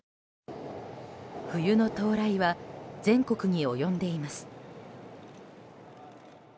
冬の到来は全国に及んでいます。